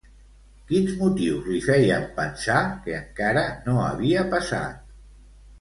Quins motius li feien pensar que encara no havia passat?